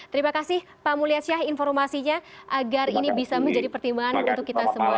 terima kasih pak mulyasyah informasinya agar ini bisa menjadi pertimbangan untuk kita semua